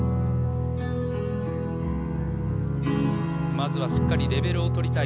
まずはしっかりレベルを取りたい